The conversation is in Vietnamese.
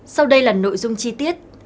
sau đây là nội dung chi tiết